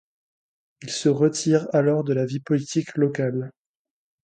Il se retire alors de la vie politique locale.